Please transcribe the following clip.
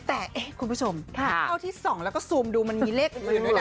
แต่คุณผู้ชมถ้าเข้าที่๒แล้วก็ซูมดูมันมีเลขอยู่ด้วยนะ